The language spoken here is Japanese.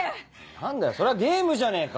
何だよそれはゲームじゃねえか。